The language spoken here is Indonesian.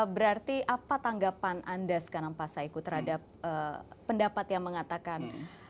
berarti apa tanggapan anda sekarang pak saiku terhadap pendapat yang mengatakan